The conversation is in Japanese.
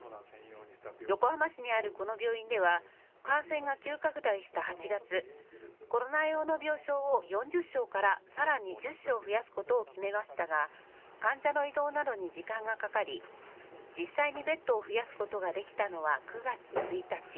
横浜市にあるこの病院では感染が急拡大した８月、コロナ用の病床を４０床からさらに１０床増やすことを決めましたが患者の移動などに時間がかかり実際にベッドを増やすことができたのは９月１日。